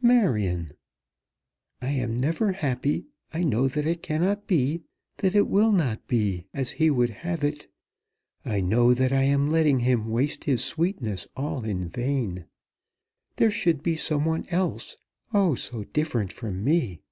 "Marion!" "I am never happy. I know that it cannot be, that it will not be, as he would have it. I know that I am letting him waste his sweetness all in vain. There should be some one else, oh, so different from me!